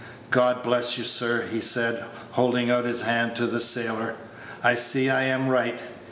"God bless you, sir," he said, holding out his hand to the sailor. "I see I am right.